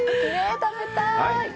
食べたい。